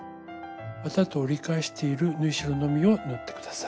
綿と折り返している縫い代のみを縫って下さい。